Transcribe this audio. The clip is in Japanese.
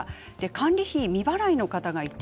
管理費未払いの方がいて